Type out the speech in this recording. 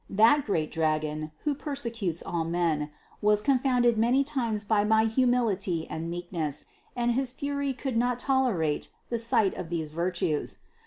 That great dragon, who persecutes all men, was con founded many times by my humility and meekness, and his fury could not tolerate the sight of these virtues.